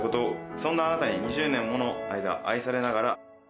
「そんなあなたに２０年もの間愛されながら」。